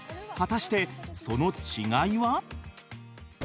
果たしてその違いは？